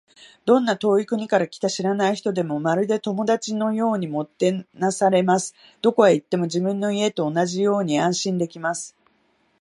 どんな遠い国から来た知らない人でも、まるで友達のようにもてなされます。どこへ行っても、自分の家と同じように安心できます。